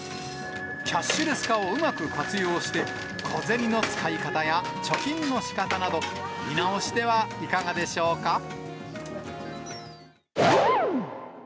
キャッシュレス化をうまく活用して、小銭の使い方や貯金のしかたなど、見直してはいかがでしょうか。